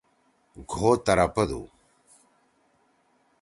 گھو ترپَدُو۔